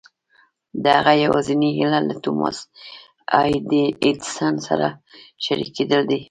د هغه يوازېنۍ هيله له توماس اې ايډېسن سره شريکېدل دي.